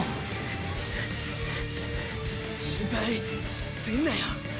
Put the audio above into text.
心配すんなよ。